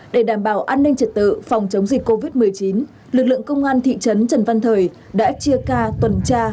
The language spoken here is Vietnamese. để đảm bảo an ninh trật tự phòng chống dịch covid một mươi chín lực lượng công an thị trấn trần văn thời đã chia ca tuần tra